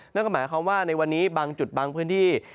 นั่นก็หมายความว่าในวันนี้บางจุดบางพื้นที่